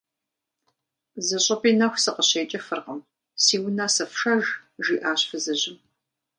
- Зыщӏыпӏи нэху сыкъыщекӏыфыркъым, си унэ сыфшэж, – жиӏащ фызыжьым.